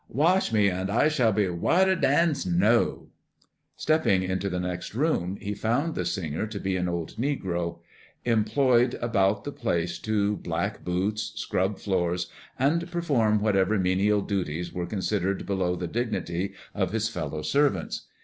"Wash me an' I shall be Whiter dan snow." Stepping into the next room he found the singer to be an old negro, employed about the place to black boots, scrub floors, and perform whatever menial duties were considered below the dignity of his fellow servants.